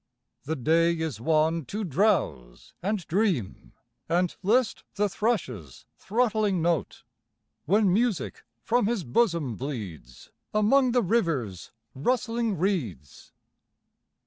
The day is one to drowse and dream And list the thrush's throttling note. When music from his bosom bleeds Among the river's rustling reeds.